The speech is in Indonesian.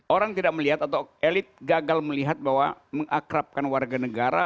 orang tidak melihat atau elit gagal melihat bahwa mengakrabkan warga negara